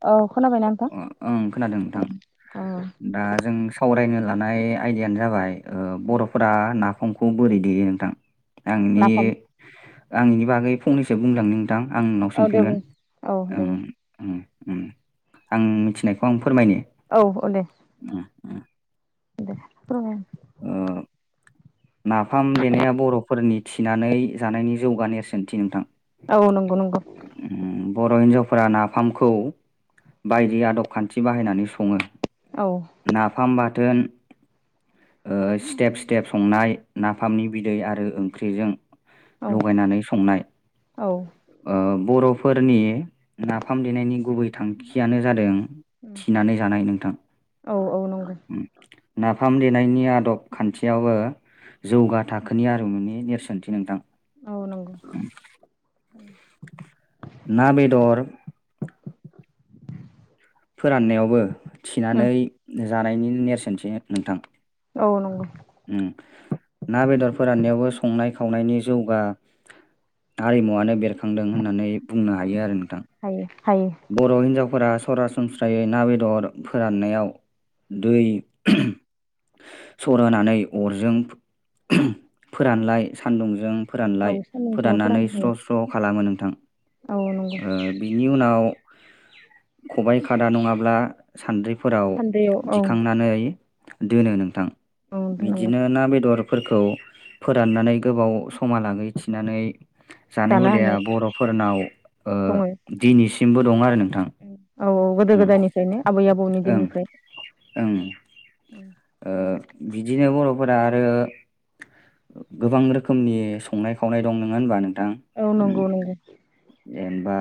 औ खोनाबायना नोंथां अ ओं खोनादों नोंथां औ दा जों सावरायनो लानाय आयदायानो जाबाय ओ बर'फोरा नाफमखौ बोरै देयो नोंथां? आंनि नाफाम आं इनि बागै फंनैसो बुंलांनि थां आं नोंनाव औ दे सोंफिनगोन बुं औ दे बुं ओं उम उम आं मिथिनायखौ आं फो फोरमायनि औ औ उम उम। दे फोरमाय। ओ नाफाम देनाया बर'फोरनि थिनानै जानायनि जौगा नेरसोनथि नोंथां। औ नंगौ नंगौ। उम बर' हिन्जावफोरा नाफामखौ बायदि आदब खान्थि बाहायनानै सङो। औ नाफाम बाथोन ओ स्टेप स्टेप संनाय नाफामनि बिदै आरो ओंख्रिजों औ लगायनानै संनाय। औ ओ बर'फोरनि नाफाम देनायनि गुबै थांखियानो जादों थिनानै जानाय नोंथां। औ औ नं नाफ फाम देनायनि आदब खान्थियावबो जौगा थाखोनि आरिमुनि नेरसोनथि नोंथां। औ नंगौ। ना बेदर फोराननायावबो उम थिनानै जानायनि नेरसोनथि नोंथां। औ नंगौ। उम ना बेदर फोराननायावबो संनाय खावनायनि जौगा हारिमुवानो बेरखांदों होननानै बुंनो हायो आरो नोंथां। हायो हायो बर' हिन्जावफोरा सरासनस्रायै ना बेदर फोराननायाव दै सर होनानै अरजों फोरानलाय सान्दुंजों औ फोरानलाय सान्दुं दुङाव फोराननानै फोराननो हायो स्र स्र खालामो नोंथां औ नंगौ ओ बिनि उनाव खबाय खादा नङाब्ला सान्द्रिफोराव सान्द्रियाव औ दिखांनानै दोनो नोंथां औ नंगौ बिदिनो ना बेदर फोरखौ फोराननानै गोबाव समा लागै थिनानै जानाय जानो हुदाया हानाय बर'फोरनाव ओ दङ दिनैसिमबो दं आरो नों औ औ गोदो गोदायनिफ्रायनो आबै आबौनि ओं दिननिफ्राय ओं ओ बिदि दिनो बर'फोरा आरो गोबां रोखोमनि संनाय खावनाय दं नोङा होनबा नों औ नंगौ नंगौ। जेनबा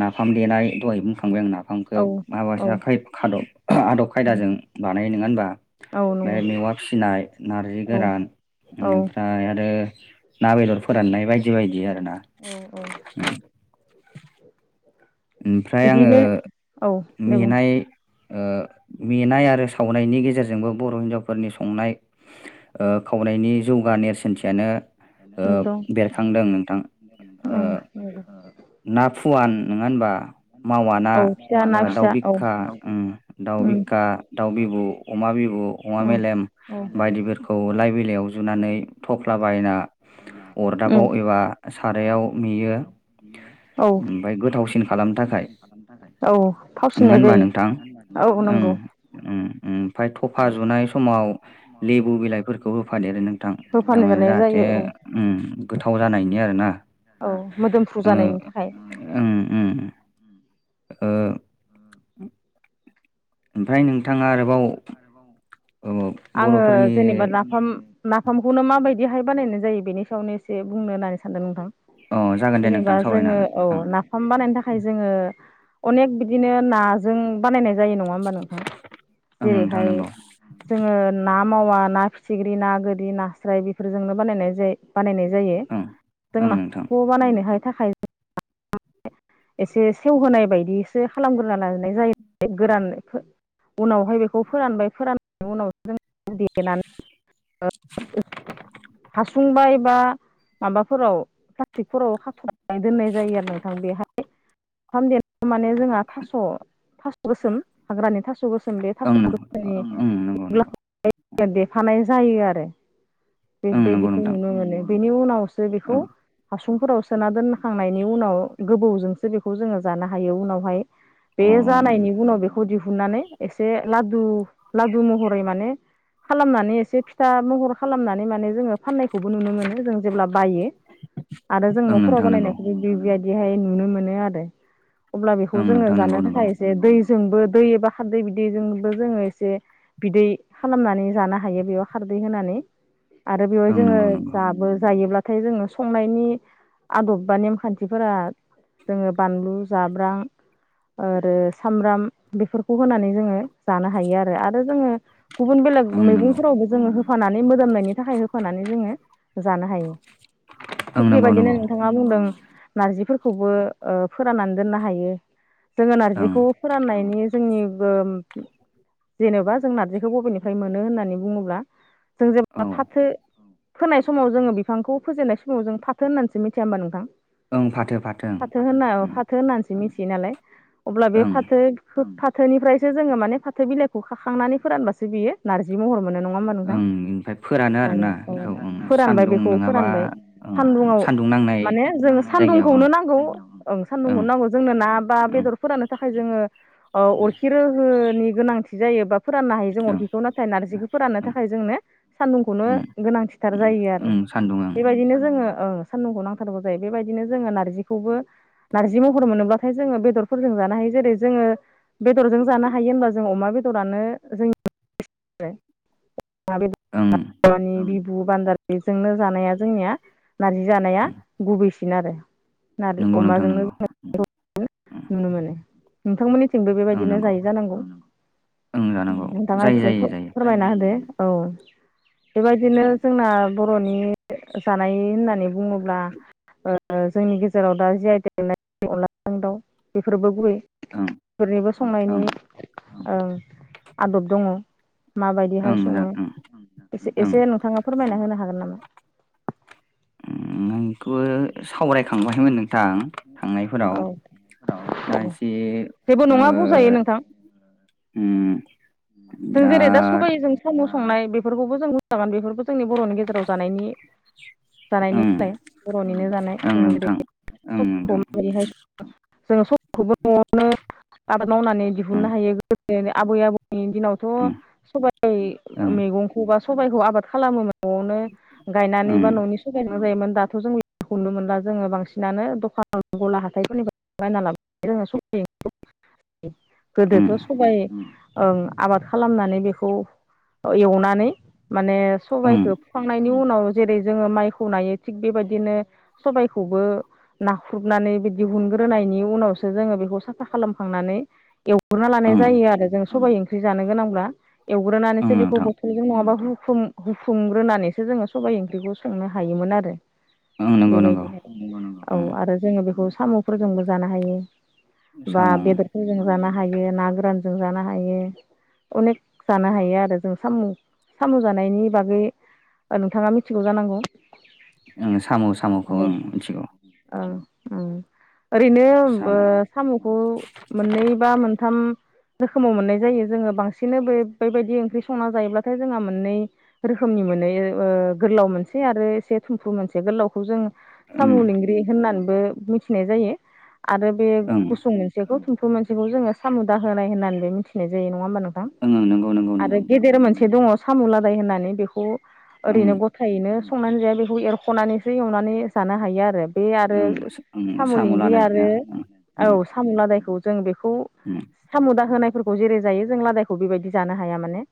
नाफाम देनाय दहायनो बुंखांबाय आं नाफ फामखौ औ औ माबासा खाय खादब आदब खायदाजों बानायो नोङा होनबा औ बे नंगौ मेवा फिनाय नार्जि औ गोरान औ इनिफ्राय आरो ओ ना बेदर फोराननाय बाय दि बायदि आरोना। औ औ ओमफ्राय आङो बिदिनो औ दे बुं मेनाय ओ मेनाय आरो सावनायनि गेजेरजोंबो बर' हिन्जावफोरनि संनाय ओ खावनायनि जौगा नेरसोनथियानो ओ दं बेरखांदों नोंथां। ओ ओं ना फुवान नोङा होनबा मावा ना औ फिसा ओ ना दाउ फिसा औ बिखखा उम दाउ उम बिका दाउ बिबु खौ अमा बिबु अमा उम मेलेम औ बायदिफोरखौ लाइ बिलाइयाव जुनानै थफ्ला बायना उम अरदाबाव एबा सारायाव मेयो औ ओमफाय फिन खालामनो थाखाय औ नोङा फावसिननाय होनबा नोंथां जायो औ उम-उम। नंगौ उम ओमफाय थफा जुनाय समाव लेबु बिलाइफोरखौ होफादेरो नोंथां होफानो नोंयो जानाय जाहाथे जायो औ उम गोथाव थाव जानायनि आरोना। औ मोदोमफ्रु जानायनि थाखाय। उम उम ओ। ओमफ्राय नोंथाङा आरोबाव औ आंङो बर'फोरनि जेनेबा नाफाम नाफामखौनो माबायद बेहाय बानायनाय जायो बेनि सायावनो एसे बुंनो होननानै सानदों नोंथां। अ जागोन दे जेनेबा नोंथां सावरायनो जोङो हागोन औ नाफाम बानायनो थाखाय जोंङो अनेक बिदिनो नाजों बानायनाय जायो नङा होनबा नोंथां। जेरैहाय जोङो ना ना मावा ना फिथिख्रि ना गोरि नास्राय बेफोरजोंनो बानायनाय जाय बानायनाय जायो ओं जों ओं नोंथां नाखौ बानायनोहाय थाखाय एसे सेवहोनाय बायदिसो खालामग्रोना लानाय जायो गोरान उनावहाय बेखौ फोरानबाय फोराननायनि उनावसो जों देनानै [unintelligible] माबाफोराव प्लास्टिकफोराव खाफथानानै दोननाय जायो आरो नोंथां। [unintelligible] देनाय माने जोंहा थास' थास' गोसोम हाग्रानि नंगौ ओं नोंथां ओं थास' नों ओं नंगौ नंगौ [unintelligible] [unintelligible] ओं नंगौ बेबायदिखौ नोंथां नुनो मोनो बेनि उनावसो बेखौ ओं हासुं फुंफोराव सोना दोनखांनायनि उनाव गोबौजोंसो बेखौ जोङो जानो हायो उनावहाय। अ बे जानायनि उनाव बेखौ दिहु बुनानै एसे लादु लादु महरै माने खालामनानै एसे फिथा महर खालामनानै। जोंङो फनायखौबो नुनो मोनो जों जेब्ला बायो आरो जों ओं न'फोराव नोंथां नंगौ बानायनाय [unintelligible] बेहाय नुनो मोन आरो अब्ला बेखौ ओं जोंसो नोंथां नंगौ जानो नंगौ थाखाय एसे दै जोंबो दै एबा खारदै बिदैजोंबो जोङो एसे बिदै खालामनानै जानो हायो बेयाव खारदै होनानै। आरो बेवहाय ओं जोङो नंगौ नंगौ जाबो जायोब्ला नाथाय जोङो संनायनि आदब बा नेमखान्थिफोरा जोङो बानलु जाब्रां ओरो सामब्राम बेफोरखौ होनानै जोङो जानो हायो आरो आरो जोङो गुबुन बेलेग ओं नंगौ मैगंफोरावबो जोङो होफानानै मोदोमनायनि थाखाय होफानानै जोङो जानो हायो ओं थिग नंगौ बेबायदिनो नंगौ नोंथाङा बुंदों नारजिफोरखौबो ओ फोराननानै दोननो हायो। जोङो ओं नारजिखौ फोराननायनि जोंनि बोम जेनेबा जों नारजिखौ बबेनिफ्राय मोनो होननानै बुङोब्ला जों जेब औ बा फाथो फोनाय समाव जोङो बिफांखौ फोजेननाय समाव जों फाथो होननानैसो मिथिया होनबा नोंथां? ओं फाथो। फाथो होननायाव ओं फाथो होननानैसो उम मिथियो नालाय अब्ला बे ओं फाथो फोथ फाथ थोनिफ्रायसो जोङो माने फाथो बिलाइखौ खाखांनानै फोरानबासो बियो नारजि महर मोनो नङा होमबा नोंथां। ओं ओमफ्राय फोरानो औ आरोना औ बेखौ ओं फोरानबाय सान्दुं बेखौ नङाबा फोरानबाय ओं ओं सान्दुंआव सान्दुं नांनाय माने जों सान जायगायाव सान्दुंखौनो ओं नांगौ ओं सान्दुंखौनो नांगौ जोंनो ना बा ओं बेदरफोरानो थाखाय जोङो औ अरखि रोहनि गोनां। गोनांथि जायो बा फोराननो हायो जों ओं अरखिखौ नाथाय नारजिखौ फोराननो ओं थाखाय जोंने सान्दुंखौनो ओं गोनांथिथार जायो आरो ओं सान्दुं ओं बेबायदिनो जों जोंङो ओ सानदुंखौ नांथारगौ जायो बेबायदिनो जोङो नारजिखौबो नारजि महर मोनोबाथाय जोङो बेदर फोरजों जानो हायो जेरै जोङो बेदरजों जानो हायो होनबा जों अमा बेदरानो जों जाय [unintelligible] ओं बेदरानि बिबु बान्दाजोंनो जानाया जोंनिया नारजि जानाया गुबैसिन आरो। ना नंगौ नोंथां अमाजोंनो नंगौ जो नुनो मोनो नोंथांमोननि थिंबो ओं बेबायदिनो नंगौ जायै जानांगौ ओं जानांगौ नोंथाङा जायो एसे जायो जायो फोरमायना होदो। औ। बेबायदिनो जोंना बर'नि जानाय होननानै बुङोब्ला ओ जोंनि गेजेराव दा जिइथेक मोन्नाय देरनाय अनलाजों दाउ बेफोरबो गुबै। ओं फोरनिबो संनायनि ओं ओ आदब दङ। माबायदिहाय ओं जा सङो ओं ओं एसे नोंथाङा फोरमायना होनो हागोन नामा? ओम नोंखौ सावराय खांबायमोन नोंथां थांनायफोराव औ दा औ एसे जेबो ओ नङा बुंजायो नोंथां ओम जों जेरै दा सबाइ जों साम' संनाय बेफोरखौबो जों बुंजागोन बेफोर जोंनि बर'नि गेजेराव जानायनि ओं जानायनिलाय बर'निनो जानाय जों जेरै ओम नोंथां। जोङो समखौबो न'आवनो आबाद मावनानै ओं दिहुननो हायो गोदोनि आबै आबौ नि दिनावथ' ओं सबाइ ओं मैगंखौ बा सबाइखौ आबाद खालामोमोन। न'आवनो गायनानै ओं बा न'नि सबाय जायोमोन दाथ' जों हनो मोन जोङो बांसिनानो द खान गला हााइफोरनिफ्राय बायना लाबो जों सबाय गोदोथ' ओं सबाय ओं आबाद खालामनानै बेखौ एवनानै माने सबाइखौ फुखांनायनि उनाव जेरै जोङो माइखौ नायो थिग बेबायदिनो सबबायखौबो नाख्रुबनानै बि दिहुनग्रोनायनि उनावसो जोङो बेखौ साफा खालामखांनानै एव एवग्रोना लानाय ओं ओं जायो आरो जों सबाय ओंख्रि जानो गोनांब्ला ओं एवग्रोनानैसो बेखौ नोंथां बथलजों नङाबा हु हुफुं हुफुंग्रोनानैसो जोङो सबाय ओंख्रिखौ संनो हायोमोन आरो। ओं नंगौ नंगौ बेबायदिहाय। औ ओं आरो जोङो बेखौ साम'फोरजोंबो जानो हायो बा साम' बेदरफोरजों जानो हायो ना गोरानजों जानो हायो अनेक जानो हायो आरो जों साम' साम' जानायनि बागै नोंथाङा मिथिगौ जानांगौ? उम साम' साम'खौ ओ आरो मिथिगौ ओं उम। ओरैनो साम' ओ साम'खौ मोननै बा मोनथाम रोखोमाव मोननाय जायो जोङो बांसिन बे बेबायदि ओंख्रि संना जायोब्लाथाय जोंहा मोननै रोखोम मनि मोनो ओ गोलाव मोनसे आरो एसे थुमफ्रु‌ मोनसे गोलावखौ‌जों सामु ओं लेग्रि होननानैबो मिथिनाय जायो आरो बे ओं गुसुं मोनसेखौ थुमफ्रु बे मोनसेखौ जोङो सामु दाहोनाय होननानैबो मिथिनाय जायो नङा होमब नों थां? ओं ओं नंगौ नंगौ आरो नंगौ नोंथां गेदेर मोनसे दङ साम' लादाय होननानै बेखौ ओं ओरैनो गथायैनो संनानै जाया बेखौ एरख'नानैसो एवनानै जानो हायो आरो। बे आरो ओं स- ओं साम' लेंग्रि लादाय आरो ओ ओं औ साम' लादायखौ जों बेखौ उम सामदा होनायफोरखौ जेरै जायो जों लादायखौ बेबायदि जानो हाया माने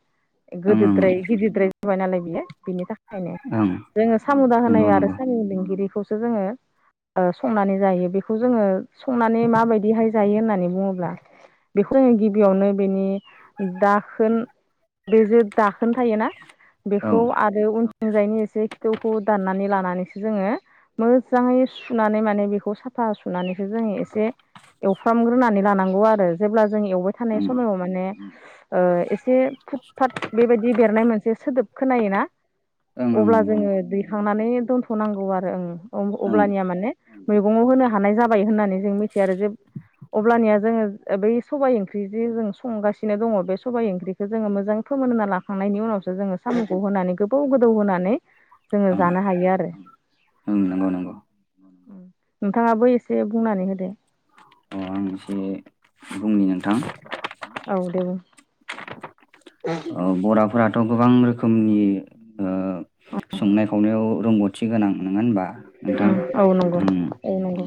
उम गोदद्राय गिदिरद्राय जाबाय नालाय बियो बेनि थाखाय खायनो ओं ओं, जोङो सामु दाहोनाय नंगौ आरो नंगौ साम' लेंगिरिखौसो जोङो ओ संनानै जायो बेखौ जोङो संनानै माबायदिहाय जायो होननानै बुङोब्ला बेखौ जोङो गिबियावनो बेनि दाखोन बे ज दाखोनो थायोना औ बेखौ ओं आरो उन थिंजायनि एसे खिथौखौ दाननानै लानानैसो जोङो मो मोजाङै सुनानै माने बेखौ साफा सुनानैसो जोङो एसे एवफ्रामग्रोनानै लानांगौ आरो जेब्ला जों एवबाय थानाय ओं समायाव माने एसे फुट फाट बेबायदि बेरनाय मोनसे सोदोब खोनायोना ओं नंगौ अब्ला नंगौ जोङो दैखांनानै दोनथ'नांगौ आरो ओ ओं अब्लानिया माने मैगंआव होनो हानाय जाबाय होननानै जों मिथियो आरो जे अब्लानिया जोङो बै सबाय ओंख्रि जे जों संगासिनो दङ बे सबाय ओंख्रिखौ जोङो मोजां सोमोना लाखांनायनि उनावसो जोङो साम'खौ होनानै गोबौ गोदौ होनानै जोङो ओं जानो हायो आरो। ओं नंगौ नंगौ नोंथाङाबो एसे बुंनानै होदो अ आं एसे बुंनि नोंथां औ दे बुं। औ बराफोराथ' गोबां रोखोम [unintelligible] संनाय खावनायाव रोंगौथि गोनां ननोङा होनबा नोंथां उम औ नंगौ औ नंगौ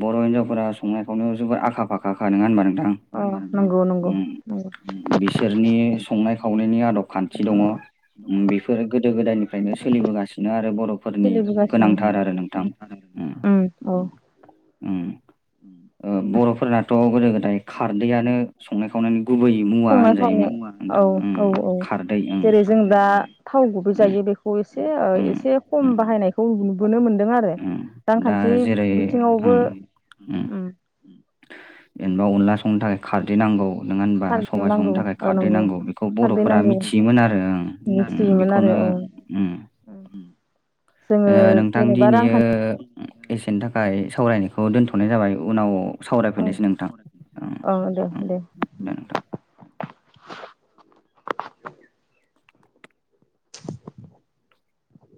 बर' हिनजावफोरा संनायखौनो जोबोर आखा फाखाखा नङा होनबा नोंथां अ नंगौ नंगौ नंगौ बिसोरनि संनाय खावनायनि आदब खान्थि दङ बेफोर गोदो गोदायनिफ्रायनो सोलिबोगासिनो आरो बर' बर'फोरनि सोलिबोगासिनो गोनांथार आरो नोंथां उम उम। ओ- बर'फोरनाथ' गोदो गोदाय खारदैआनो संनाय खावनायनि गुबै मुवा होनजायोमोन औ नोंथां उम औ औ। खारदै उम जेरै जों दा थाव गुबै उम जायो बेखौ एसे ओ उम एसे खम उम बाहायनायखौ नुयो उम दा जेरै बिथिङावबो उम उम। एनबा अनला संनो थाखाय खारद्रैनांगौ नङा होनबा खारदैयाव सबाइ नांगौ संनो थाखाय औ खारदै नंगौ नांगौ बेखौ खारदै बर'फोरा नांगौ मिथियोमोन आरो उम बेखौनो [unintelligible] औ। [unintelligible] जोङो ओ नोंथां जेनेबा दिनैयो रांखान्थि एसेनि थाखाय सावरायनायखौ दोनथ'नाय जाबाय उनाव औ सावरायफैनोसै नोंथां औ दे ओम। दे। [unintelligible]